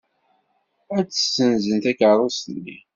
Ad ssenzen takeṛṛust-nni.